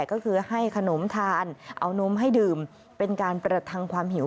ก็คือให้ขนมทานเอานมให้ดื่มเป็นการประทังความหิว